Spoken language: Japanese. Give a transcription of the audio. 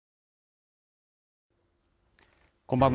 こんばんは。